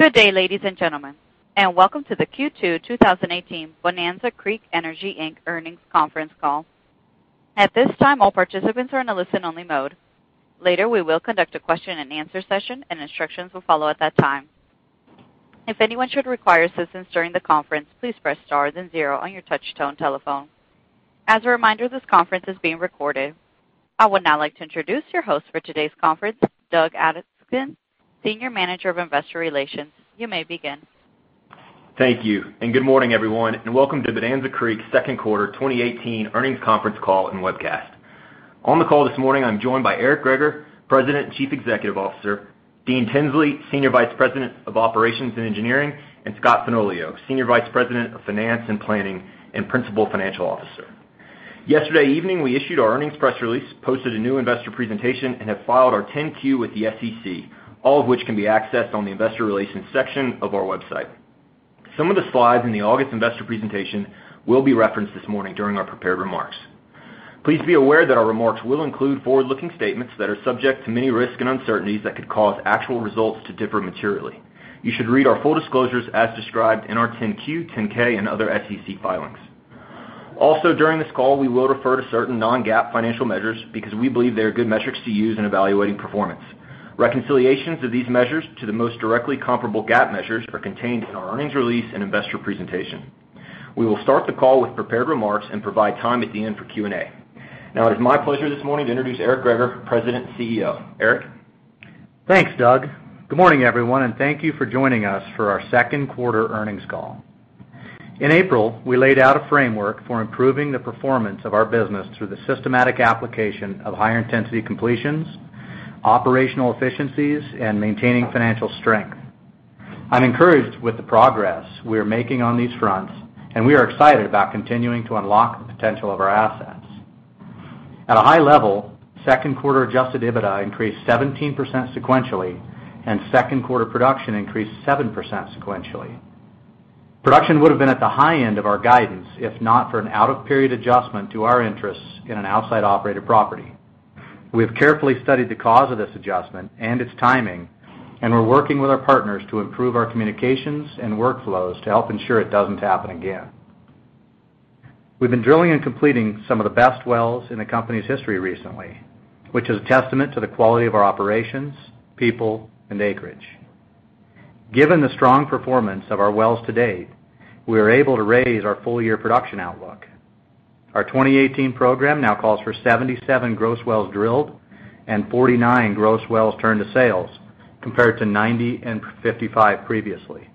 Good day, ladies and gentlemen, and welcome to the Q2 2018 Bonanza Creek Energy, Inc. earnings conference call. At this time, all participants are in a listen-only mode. Later, we will conduct a question and answer session, and instructions will follow at that time. If anyone should require assistance during the conference, please press star then zero on your touch-tone telephone. As a reminder, this conference is being recorded. I would now like to introduce your host for today's conference, Doug Adascheck, Senior Manager of Investor Relations. You may begin. Thank you. Good morning, everyone, and welcome to Bonanza Creek's second quarter 2018 earnings conference call and webcast. On the call this morning, I'm joined by Eric Greager, President and Chief Executive Officer, Dean Tinsley, Senior Vice President of Operations and Engineering, and Scott Fenoglio, Senior Vice President of Finance & Planning and Principal Financial Officer. Yesterday evening, we issued our earnings press release, posted a new investor presentation, and have filed our 10-Q with the SEC, all of which can be accessed on the investor relations section of our website. Some of the slides in the August investor presentation will be referenced this morning during our prepared remarks. Please be aware that our remarks will include forward-looking statements that are subject to many risks and uncertainties that could cause actual results to differ materially. You should read our full disclosures as described in our 10-Q, 10-K, and other SEC filings. Also, during this call, we will refer to certain non-GAAP financial measures because we believe they are good metrics to use in evaluating performance. Reconciliations of these measures to the most directly comparable GAAP measures are contained in our earnings release and investor presentation. We will start the call with prepared remarks and provide time at the end for Q&A. Now, it is my pleasure this morning to introduce Eric Greager, President and CEO. Eric? Thanks, Doug. Good morning, everyone, and thank you for joining us for our second quarter earnings call. In April, we laid out a framework for improving the performance of our business through the systematic application of higher-intensity completions, operational efficiencies, and maintaining financial strength. I'm encouraged with the progress we are making on these fronts, and we are excited about continuing to unlock the potential of our assets. At a high level, second quarter adjusted EBITDA increased 17% sequentially, and second-quarter production increased 7% sequentially. Production would have been at the high end of our guidance if not for an out-of-period adjustment to our interests in an outside operator property. We have carefully studied the cause of this adjustment and its timing, and we're working with our partners to improve our communications and workflows to help ensure it doesn't happen again. We've been drilling and completing some of the best wells in the company's history recently, which is a testament to the quality of our operations, people, and acreage. Given the strong performance of our wells to date, we are able to raise our full-year production outlook. Our 2018 program now calls for 77 gross wells drilled and 49 gross wells turned to sales, compared to 90 and 55 previously.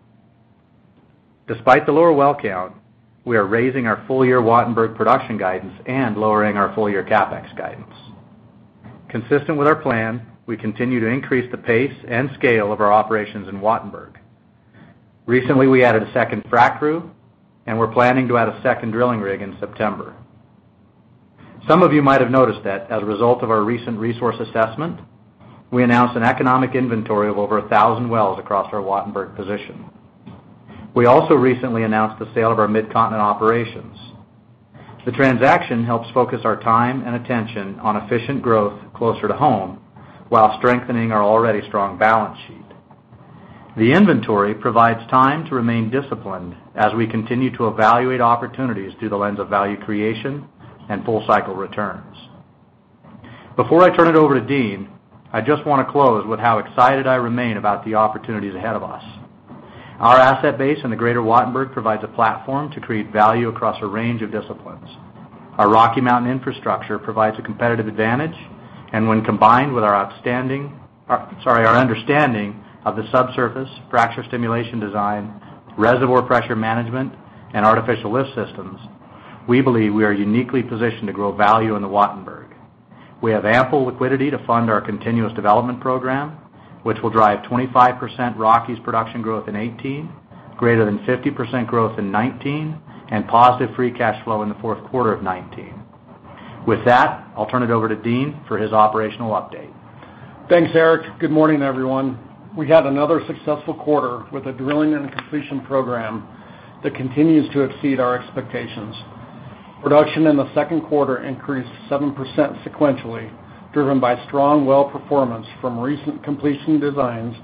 Despite the lower well count, we are raising our full-year Wattenberg production guidance and lowering our full-year CapEx guidance. Consistent with our plan, we continue to increase the pace and scale of our operations in Wattenberg. Recently, we added a second frac crew, and we're planning to add a second drilling rig in September. Some of you might have noticed that as a result of our recent resource assessment, we announced an economic inventory of over 1,000 wells across our Wattenberg position. We also recently announced the sale of our Mid-Continent operations. The transaction helps focus our time and attention on efficient growth closer to home while strengthening our already strong balance sheet. The inventory provides time to remain disciplined as we continue to evaluate opportunities through the lens of value creation and full-cycle returns. Before I turn it over to Dean, I just want to close with how excited I remain about the opportunities ahead of us. Our asset base in the greater Wattenberg provides a platform to create value across a range of disciplines. Our Rocky Mountain infrastructure provides a competitive advantage, when combined with our outstanding understanding of the subsurface fracture stimulation design, reservoir pressure management, and artificial lift systems, we believe we are uniquely positioned to grow value in the Wattenberg. We have ample liquidity to fund our continuous development program, which will drive 25% Rockies production growth in 2018, greater than 50% growth in 2019, and positive free cash flow in the fourth quarter of 2019. With that, I'll turn it over to Dean for his operational update. Thanks, Eric. Good morning, everyone. We had another successful quarter with a drilling and completion program that continues to exceed our expectations. Production in the second quarter increased 7% sequentially, driven by strong well performance from recent completion designs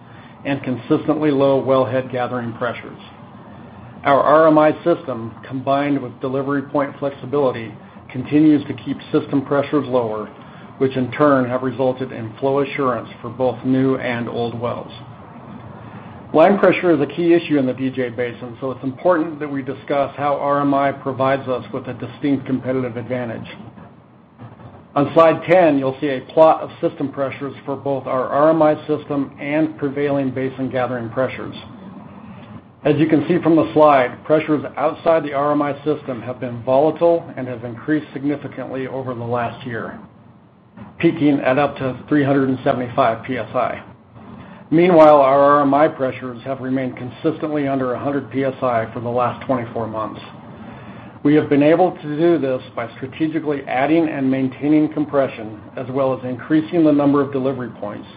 and consistently low wellhead gathering pressures. Our RMI system, combined with delivery point flexibility, continues to keep system pressures lower, which in turn have resulted in flow assurance for both new and old wells. Line pressure is a key issue in the DJ Basin, it's important that we discuss how RMI provides us with a distinct competitive advantage. On slide 10, you'll see a plot of system pressures for both our RMI system and prevailing basin gathering pressures. As you can see from the slide, pressures outside the RMI system have been volatile and have increased significantly over the last year, peaking at up to 375 psi. Our RMI pressures have remained consistently under 100 psi for the last 24 months. We have been able to do this by strategically adding and maintaining compression, as well as increasing the number of delivery points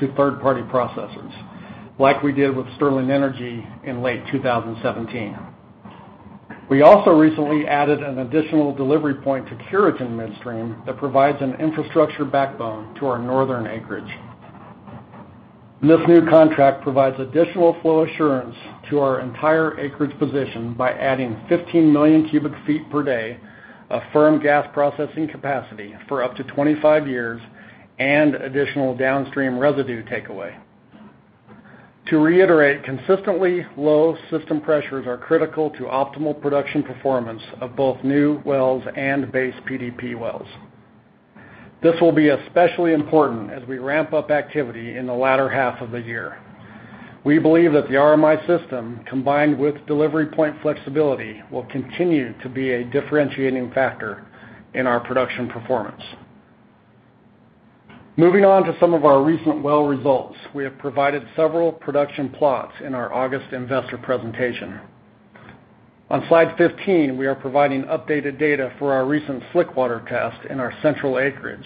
to third-party processors, like we did with Sterling Energy in late 2017. We also recently added an additional delivery point to Corrigan Midstream that provides an infrastructure backbone to our northern acreage. This new contract provides additional flow assurance to our entire acreage position by adding 15 million cubic feet per day of firm gas processing capacity for up to 25 years and additional downstream residue takeaway. To reiterate, consistently low system pressures are critical to optimal production performance of both new wells and base PDP wells. This will be especially important as we ramp up activity in the latter half of the year. We believe that the RMI system, combined with delivery point flexibility, will continue to be a differentiating factor in our production performance. Moving on to some of our recent well results, we have provided several production plots in our August investor presentation. On slide 15, we are providing updated data for our recent slickwater test in our central acreage.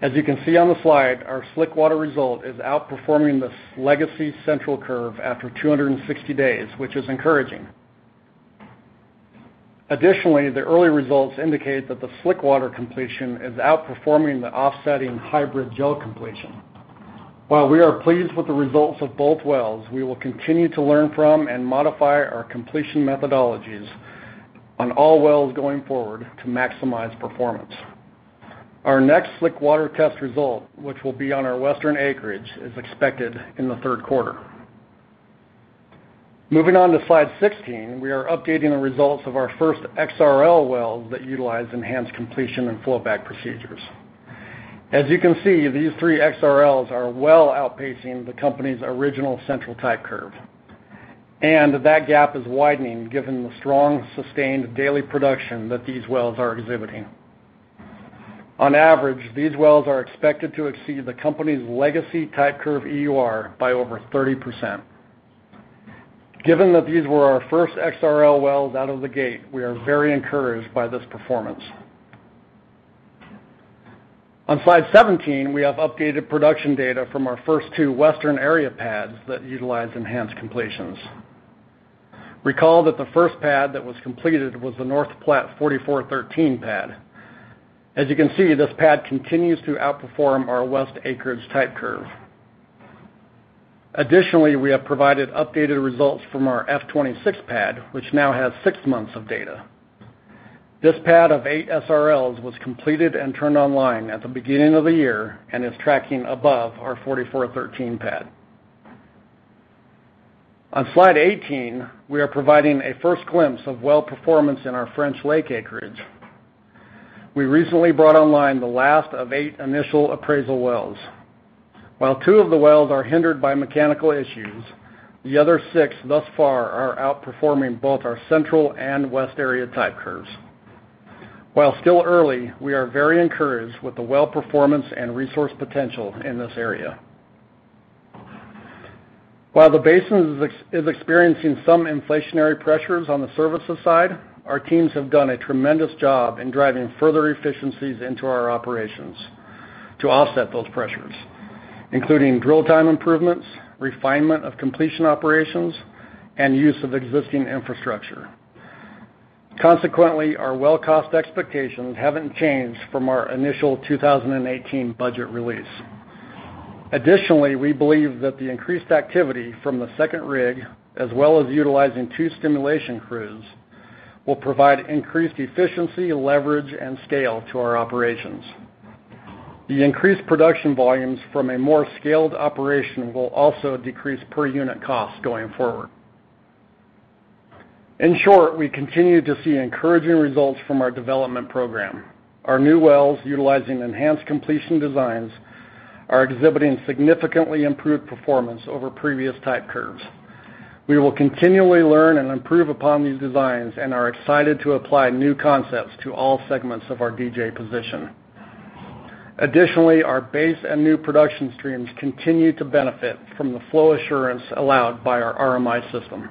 As you can see on the slide, our slickwater result is outperforming this legacy central curve after 260 days, which is encouraging. Additionally, the early results indicate that the slickwater completion is outperforming the offsetting hybrid gel completion. While we are pleased with the results of both wells, we will continue to learn from and modify our completion methodologies on all wells going forward to maximize performance. Our next slickwater test result, which will be on our western acreage, is expected in the third quarter. Moving on to slide 16, we are updating the results of our first XRL wells that utilize enhanced completion and flowback procedures. As you can see, these three XRLs are well outpacing the company's original central type curve. That gap is widening given the strong, sustained daily production that these wells are exhibiting. On average, these wells are expected to exceed the company's legacy type-curve EUR by over 30%. Given that these were our first XRL wells out of the gate, we are very encouraged by this performance. On slide 17, we have updated production data from our first two western area pads that utilize enhanced completions. Recall that the first pad that was completed was the North Platte 4413 pad. As you can see, this pad continues to outperform our west acreage type curve. We have provided updated results from our F26 pad, which now has six months of data. This pad of eight SRLs was completed and turned online at the beginning of the year and is tracking above our 4413 pad. On slide 18, we are providing a first glimpse of well performance in our French Lake acreage. We recently brought online the last of eight initial appraisal wells. While two of the wells are hindered by mechanical issues, the other six thus far are outperforming both our central and west area type curves. While still early, we are very encouraged with the well performance and resource potential in this area. While the basin is experiencing some inflationary pressures on the services side, our teams have done a tremendous job in driving further efficiencies into our operations to offset those pressures, including drill time improvements, refinement of completion operations, and use of existing infrastructure. Consequently, our well cost expectations haven't changed from our initial 2018 budget release. Additionally, we believe that the increased activity from the second rig, as well as utilizing two stimulation crews, will provide increased efficiency, leverage, and scale to our operations. The increased production volumes from a more scaled operation will also decrease per-unit costs going forward. In short, we continue to see encouraging results from our development program. Our new wells utilizing enhanced completion designs are exhibiting significantly improved performance over previous type curves. We will continually learn and improve upon these designs and are excited to apply new concepts to all segments of our DJ position. Additionally, our base and new production streams continue to benefit from the flow assurance allowed by our RMI system.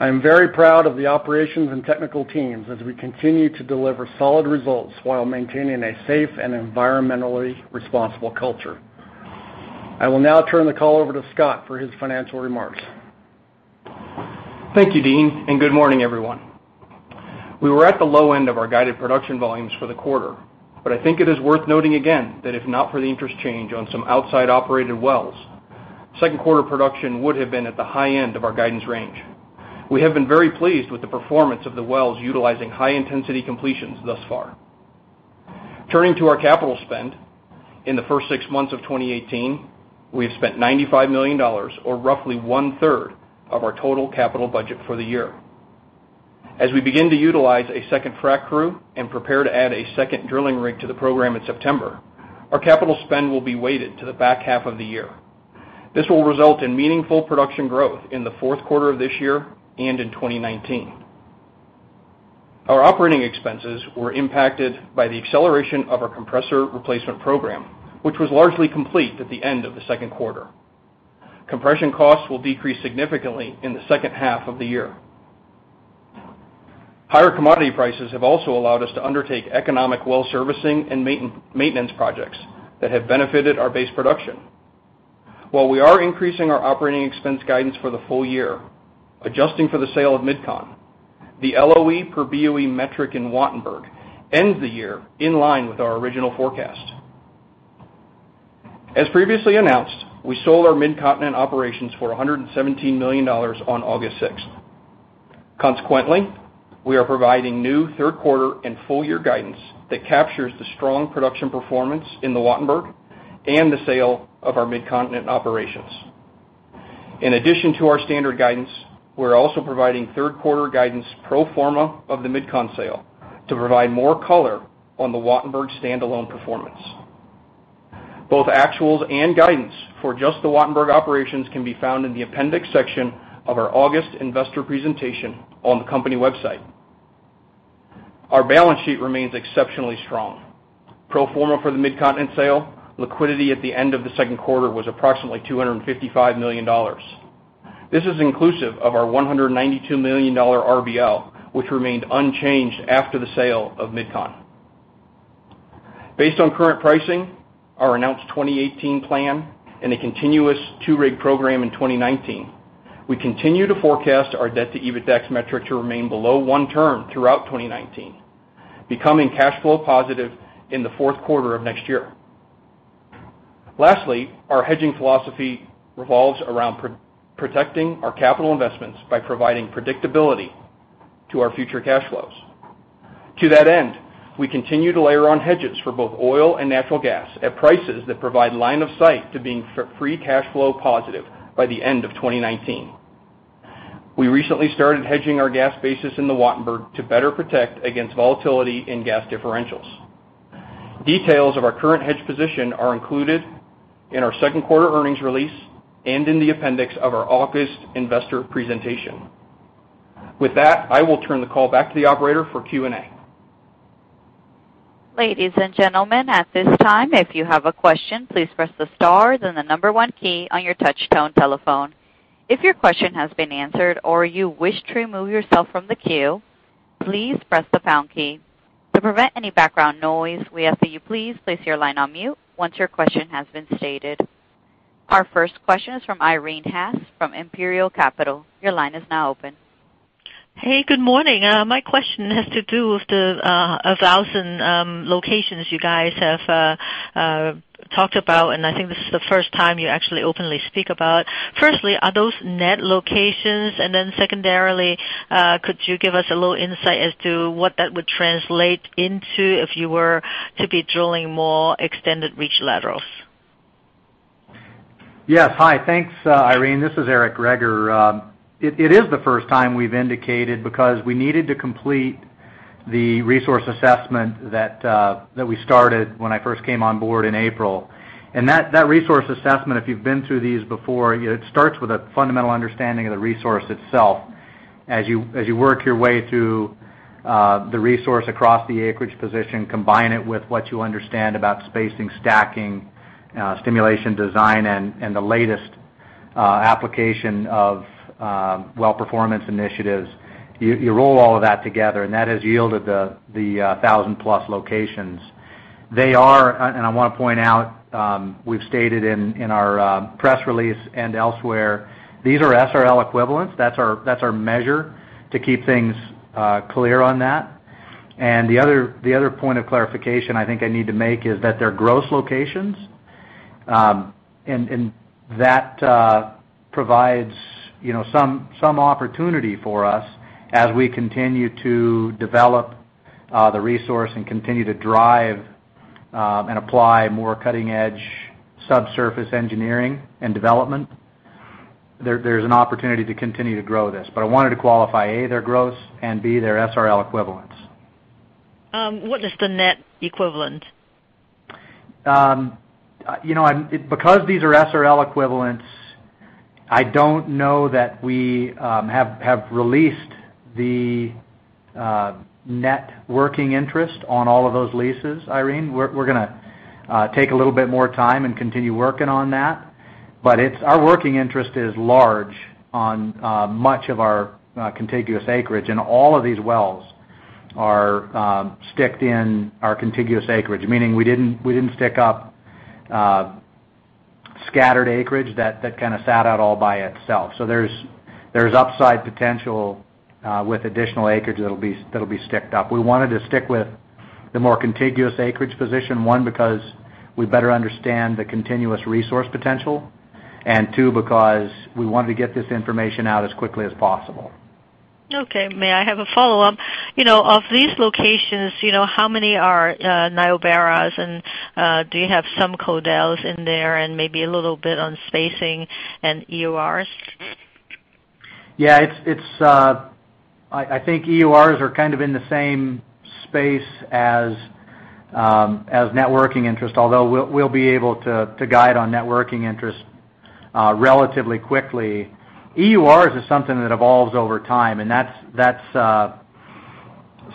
I am very proud of the operations and technical teams as we continue to deliver solid results while maintaining a safe and environmentally responsible culture. I will now turn the call over to Scott for his financial remarks. Thank you, Dean. Good morning, everyone. We were at the low end of our guided production volumes for the quarter, but I think it is worth noting again that if not for the interest change on some outside operated wells, second quarter production would have been at the high end of our guidance range. We have been very pleased with the performance of the wells utilizing high-intensity completions thus far. Turning to our capital spend, in the first six months of 2018, we have spent $95 million, or roughly one-third of our total capital budget for the year. As we begin to utilize a second frac crew and prepare to add a second drilling rig to the program in September, our capital spend will be weighted to the back half of the year. This will result in meaningful production growth in the fourth quarter of this year and in 2019. Our operating expenses were impacted by the acceleration of our compressor replacement program, which was largely complete at the end of the second quarter. Compression costs will decrease significantly in the second half of the year. Higher commodity prices have also allowed us to undertake economic well servicing and maintenance projects that have benefited our base production. While we are increasing our operating expense guidance for the full year, adjusting for the sale of MidCon, the LOE per BOE metric in Wattenberg ends the year in line with our original forecast. As previously announced, we sold our Midcontinent operations for $117 million on August 6th. Consequently, we are providing new third quarter and full year guidance that captures the strong production performance in the Wattenberg and the sale of our Midcontinent operations. In addition to our standard guidance, we are also providing third quarter guidance pro forma of the MidCon sale to provide more color on the Wattenberg standalone performance. Both actuals and guidance for just the Wattenberg operations can be found in the appendix section of our August investor presentation on the company website. Our balance sheet remains exceptionally strong. Pro forma for the Midcontinent sale, liquidity at the end of the second quarter was approximately $255 million. This is inclusive of our $192 million RBL, which remained unchanged after the sale of MidCon. Based on current pricing, our announced 2018 plan, and a continuous two-rig program in 2019, we continue to forecast our debt to EBITDAX metric to remain below one turn throughout 2019, becoming cash flow positive in the fourth quarter of next year. Our hedging philosophy revolves around protecting our capital investments by providing predictability to our future cash flows. To that end, we continue to layer on hedges for both oil and natural gas at prices that provide line of sight to being free cash flow positive by the end of 2019. We recently started hedging our gas basis in the Wattenberg to better protect against volatility in gas differentials. Details of our current hedge position are included in our second quarter earnings release and in the appendix of our August investor presentation. With that, I will turn the call back to the operator for Q&A. Ladies and gentlemen, at this time, if you have a question, please press the star, then the number one key on your touch tone telephone. If your question has been answered or you wish to remove yourself from the queue, please press the pound key. To prevent any background noise, we ask that you please place your line on mute once your question has been stated. Our first question is from Irene Haas from Imperial Capital. Your line is now open. Hey, good morning. My question has to do with the 1,000 locations you guys have talked about, and I think this is the first time you actually openly speak about. Firstly, are those net locations? Secondarily, could you give us a little insight as to what that would translate into if you were to be drilling more extended reach laterals? Yes. Hi. Thanks, Irene. This is Eric Greager. It is the first time we've indicated, because we needed to complete the resource assessment that we started when I first came on board in April. That resource assessment, if you've been through these before, it starts with a fundamental understanding of the resource itself. As you work your way through the resource across the acreage position, combine it with what you understand about spacing, stacking, stimulation design, and the latest application of well performance initiatives. You roll all of that together, and that has yielded the 1,000 plus locations. They are, and I want to point out, we've stated in our press release and elsewhere, these are SRL equivalents. That's our measure to keep things clear on that. The other point of clarification I think I need to make is that they're gross locations, that provides some opportunity for us as we continue to develop the resource and continue to drive and apply more cutting edge subsurface engineering and development. There's an opportunity to continue to grow this. I wanted to qualify, A, they're gross, and B, they're SRL equivalents. What is the net equivalent? Because these are SRL equivalents, I don't know that we have released the net working interest on all of those leases, Irene. We're going to take a little bit more time and continue working on that. Our working interest is large on much of our contiguous acreage, and all of these wells are sticked in our contiguous acreage, meaning we didn't stick up scattered acreage that sat out all by itself. There's upside potential with additional acreage that'll be sticked up. We wanted to stick with the more contiguous acreage position, one, because we better understand the continuous resource potential, and two, because we wanted to get this information out as quickly as possible. Okay. May I have a follow-up? Of these locations, how many are Niobraras, and do you have some Codells in there, and maybe a little bit on spacing and EURs? Yeah. I think EURs are in the same space as net working interest, although we'll be able to guide on net working interest relatively quickly. EURs is something that evolves over time, and that's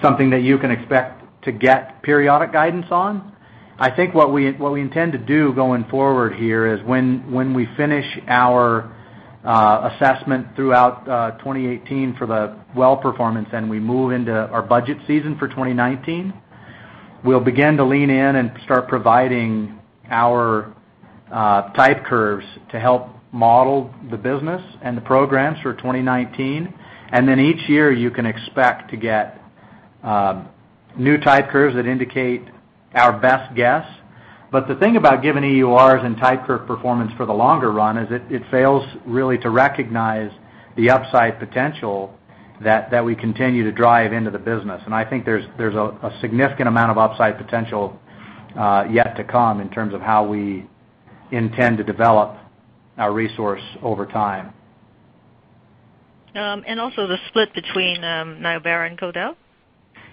something that you can expect to get periodic guidance on. I think what we intend to do going forward here is when we finish our assessment throughout 2018 for the well performance and we move into our budget season for 2019, we'll begin to lean in and start providing our type curves to help model the business and the programs for 2019. Each year, you can expect to get new type curves that indicate our best guess. The thing about giving EURs and type curve performance for the longer run is it fails really to recognize the upside potential that we continue to drive into the business. I think there's a significant amount of upside potential yet to come in terms of how we intend to develop our resource over time. Also the split between Niobrara and Codell?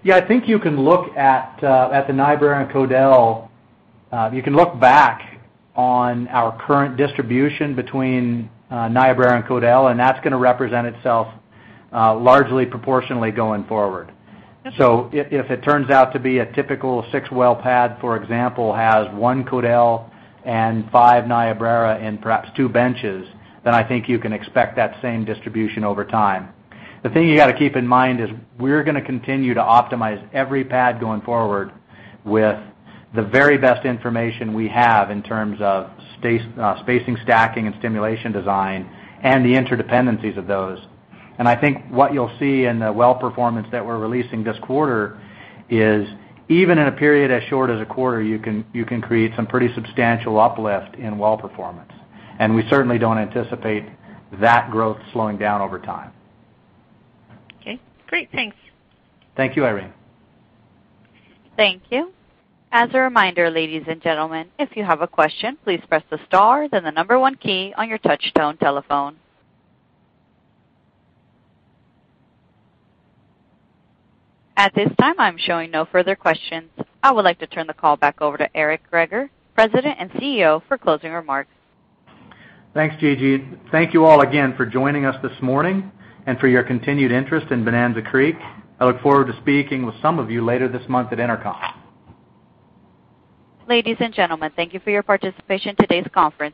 Yeah, I think you can look at the Niobrara and Codell. You can look back on our current distribution between Niobrara and Codell, and that's going to represent itself largely proportionally going forward. Okay. If it turns out to be a typical six-well pad, for example, has one Codell and five Niobrara in perhaps two benches, I think you can expect that same distribution over time. The thing you got to keep in mind is we're going to continue to optimize every pad going forward with the very best information we have in terms of spacing, stacking, and stimulation design, and the interdependencies of those. I think what you'll see in the well performance that we're releasing this quarter is even in a period as short as a quarter, you can create some pretty substantial uplift in well performance. We certainly don't anticipate that growth slowing down over time. Okay, great. Thanks. Thank you, Irene. Thank you. As a reminder, ladies and gentlemen, if you have a question, please press the star then the number one key on your touchtone telephone. At this time, I'm showing no further questions. I would like to turn the call back over to Eric Greager, President and CEO, for closing remarks. Thanks, Gigi. Thank you all again for joining us this morning and for your continued interest in Bonanza Creek. I look forward to speaking with some of you later this month at EnerCom. Ladies and gentlemen, thank you for your participation in today's conference.